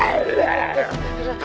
jadi kita bahkan akan di cruise